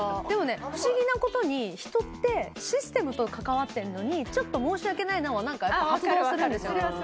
でもね不思議なことに人ってシステムと関わってるのにちょっと申し訳ないななんか発動するんですよ。